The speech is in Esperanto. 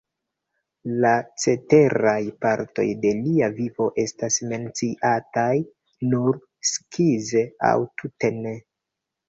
La ceteraj partoj de lia vivo estas menciataj nur skize aŭ tute ne.